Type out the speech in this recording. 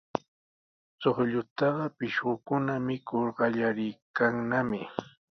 Chuqllataqa pishqukuna mikur qallariykannami.